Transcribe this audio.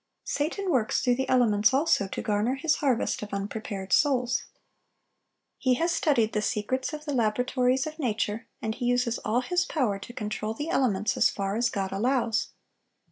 Satan works through the elements also to garner his harvest of unprepared souls. He has studied the secrets of the laboratories of nature, and he uses all his power to control the elements as far as God allows.